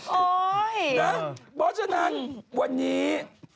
โอ๊ยนะเพราะฉะนั้นวันนี้